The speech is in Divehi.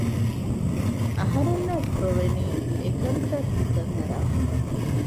އަހަރެންނަށް ރޮވެނީ އެކަންތައް ހިތަށް އަރާފަ